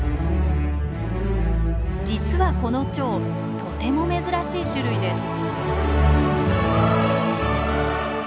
実はこのチョウとても珍しい種類です。